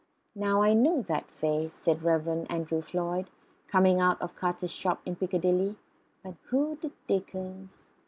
"Now I know that face " said the Reverend Andrew Floyd, coming out of Carter's shop in Piccadilly, "but who the dickens